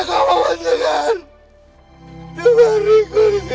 kami hanya berdua